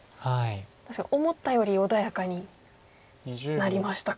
確かに思ったより穏やかになりましたか。